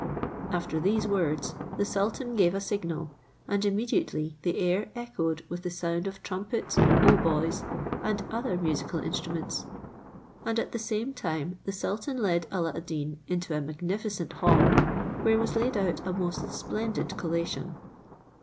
After these words, the sultan gave a signal, and immediately the air echoed with the sound of trumpets, hautboys, and other musical instruments: and at the same time the sultan led Alla ad Deen into a magnificent hall, where was laid out a most splendid collation.